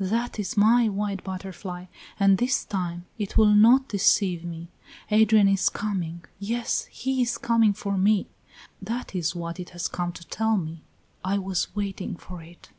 "That is my white butterfly, and this time it will not deceive me. Adrian is coming yes, he is coming for me; that is what it has come to tell me I was waiting for it."